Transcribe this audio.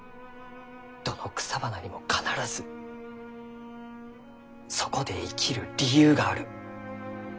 どの草花にも必ずそこで生きる理由がある。